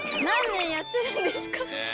なん年やってるんですか！